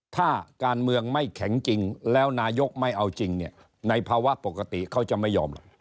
ถ้าการเมืองไม่แข็งจริงแล้วนายกไม่เอาจริงเนี่ยในภาวะปกติเขาจะไม่ยอมหรอก